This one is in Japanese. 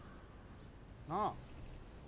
なあ